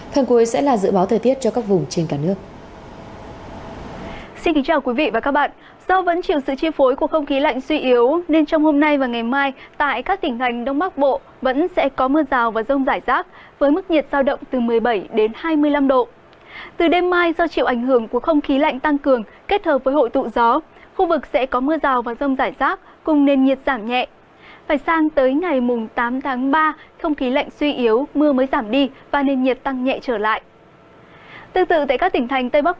phần cuối sẽ là dự báo thời tiết cho các vùng trên cả nước